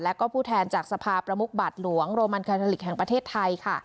แล้วก็ผู้แทนจากสภาประมุกบัตรหลวงโรมันแคนาลิกแห่งประเทศไทยค่ะ